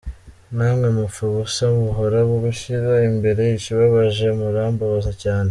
Namwe mupfa ubusa mubura gushyira imbere ikibababaje murambabaza cyane.